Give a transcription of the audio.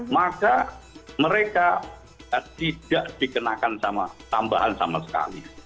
maka mereka tidak dikenakan sama tambahan sama sekali